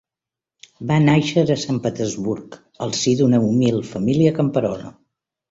Va nàixer a Sant Petersburg al si d'una humil família camperola.